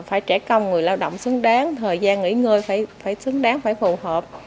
phải trẻ công người lao động xứng đáng thời gian nghỉ ngơi phải xứng đáng phải phù hợp